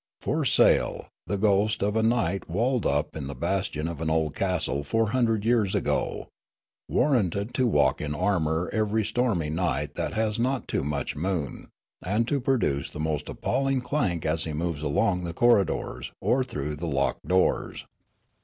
' For sale, the ghost of a knight walled up in the bastion of an old castle four hundred 3'ears ago ; warranted to walk in armour every stormy night that has not too much moon, and to produce the most appalling clank as he moves along the corridors or through the locked doors.'